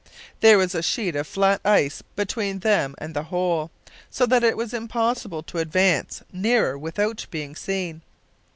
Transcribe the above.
There was a sheet of flat ice between them and the hole, so that it was impossible to advance nearer without being seen.